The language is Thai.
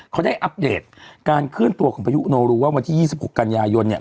เขาได้อัปเดตการเคลื่อนตัวของพายุโนรูว่าวันที่๒๖กันยายนเนี่ย